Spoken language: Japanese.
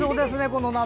このお鍋。